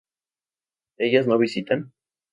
¿Ellas no visitan?